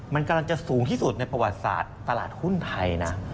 มันกำลังจะสูงที่สุดในประวัติศาสตร์ตลาดหุ้นไทยนะ